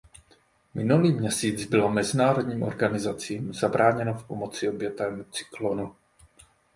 Minulý měsíc bylo mezinárodním organizacím zabráněno v pomoci obětem cyklonu.